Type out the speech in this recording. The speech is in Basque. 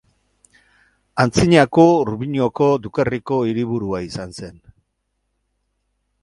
Antzinako Urbinoko dukerriko hiriburua izan zen.